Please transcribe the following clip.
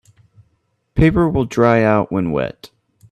Paper will dry out when wet.